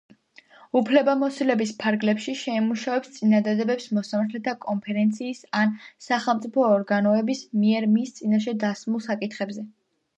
უფლებამოსილების ფარგლებში შეიმუშავებს წინადადებებს მოსამართლეთა კონფერენციის ან სახელმწიფო ორგანოების მიერ მის წინაშე დასმულ საკითხებზე.